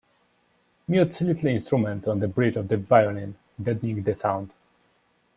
Mutes little instruments on the bridge of the violin, deadening the sound.